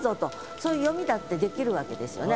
そういう読みだってできるわけですよね。